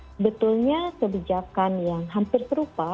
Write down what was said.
sebetulnya kebijakan yang hampir serupa